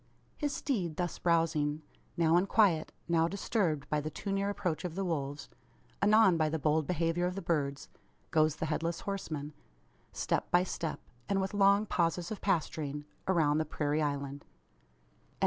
His steed thus browsing, now in quiet, now disturbed by the too near approach of the wolves anon by the bold behaviour of the birds goes the Headless Horseman, step by step, and with long pauses of pasturing, around the prairie island.